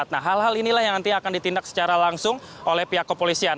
nah hal hal inilah yang nanti akan ditindak secara langsung oleh pihak kepolisian